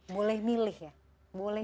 boleh milih ya